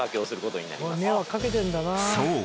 ［そう！